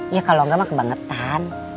ya kalau enggak mah kebangetan